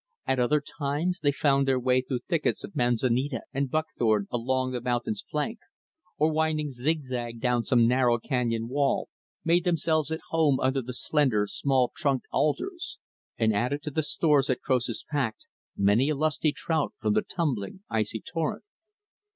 At other times, they found their way through thickets of manzanita and buckthorn, along the mountain's flank; or, winding zigzag down some narrow canyon wall, made themselves at home under the slender, small trunked alders; and added to the stores that Croesus packed, many a lusty trout from the tumbling, icy torrent.